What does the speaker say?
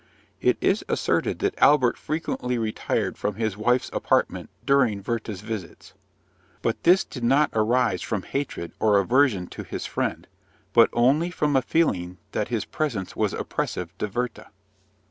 It is asserted that Albert frequently retired from his wife's apartment during Werther's visits; but this did not arise from hatred or aversion to his friend, but only from a feeling that his presence was oppressive to Werther.